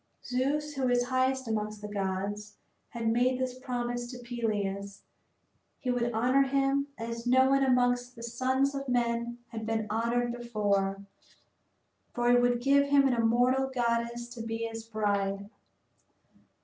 Zeus, who is highest amongst the gods, had made this promise to Peleus he would honor him as no one amongst the sons of men had been honored before, for he would give him an immortal goddess to be his bride.